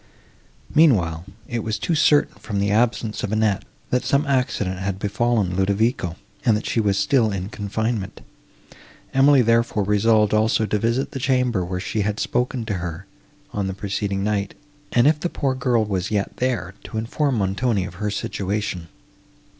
Meanwhile, it was too certain, from the absence of Annette, that some accident had befallen Ludovico, and that she was still in confinement; Emily, therefore, resolved also to visit the chamber, where she had spoken to her, on the preceding night, and, if the poor girl was yet there, to inform Montoni of her situation.